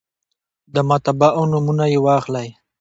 د مطبعو نومونه یې واخلئ.